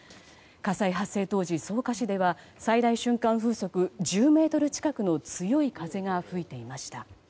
火災発生当時、草加市では最大瞬間風速１０メートル近くの強い風が吹いていました。